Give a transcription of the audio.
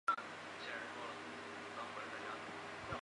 于南斯拉夫王国时期改用王国的国徽。